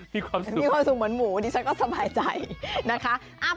มีความสุขเหมือนหมูดิฉันก็สบายใจนะคะ